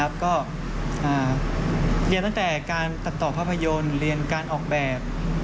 ก็เรียนตั้งแต่การตัดต่อภาพยนตร์เรียนการออกแบบ